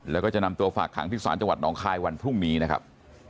แล้วก็จะนำตัวฝากขังที่ศาลจังหวัดหนองคายวันพรุ่งนี้นะครับ